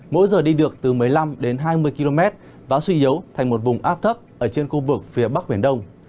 mỗi giờ đi được từ một mươi năm đến hai mươi km và suy yếu thành một vùng áp thấp ở trên khu vực phía bắc biển đông